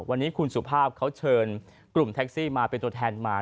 วันนี้คุณสุภาพเขาเชิญกลุ่มแท็กซี่มาเป็นตัวแทนมา